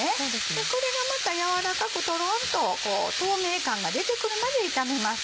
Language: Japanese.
これがまた軟らかくトロンと透明感が出てくるまで炒めます。